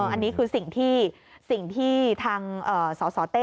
อันนี้คือสิ่งที่ทางสาวเต้